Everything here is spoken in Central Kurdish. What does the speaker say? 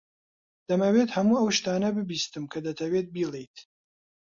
دەمەوێت هەموو ئەو شتانە ببیستم کە دەتەوێت بیڵێیت.